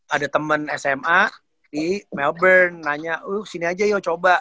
ada teman sma di melbourne nanya uh sini aja yuk coba